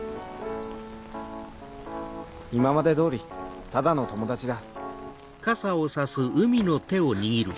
今まで通りただの友達だ。